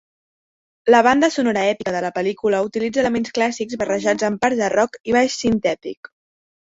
La banda sonora èpica de la pel·lícula utilitza elements clàssics barrejats amb parts de rock i baix sintètic.